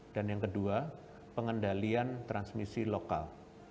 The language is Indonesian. dan yang kedua pengendalian transmisi lokal